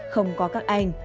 không có các anh